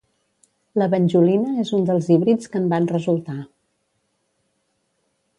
La banjolina és un dels híbrids que en van resultar.